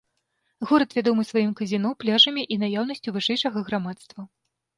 Горад вядомы сваім казіно, пляжамі і наяўнасцю вышэйшага грамадства.